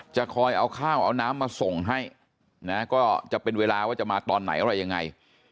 จะคอยเอาข้าวเอาน้ำมาส่งให้นะก็จะเป็นเวลาว่าจะมาตอนไหนอะไรยังไง